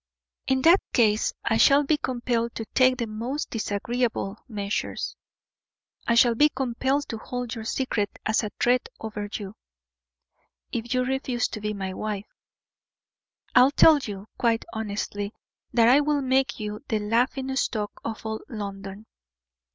"In that case I shall be compelled to take the most disagreeable measures I shall be compelled to hold your secret as a threat over you, if you refuse to be my wife. I tell you, quite honestly, that I will make you the laughing stock of all London.